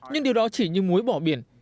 nhưng điều đó chỉ như muối bỏ biển